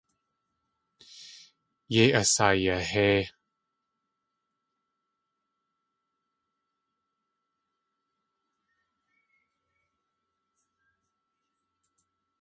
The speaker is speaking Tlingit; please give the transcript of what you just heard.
Yéi asayahéi.